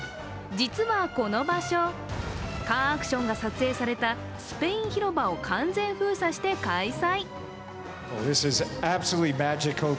実はこの場所、カーアクションが撮影されたスペイン広場を完全封鎖して開催。